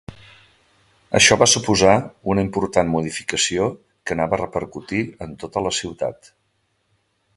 Això va suposar una important modificació que anava a repercutir en tota la ciutat.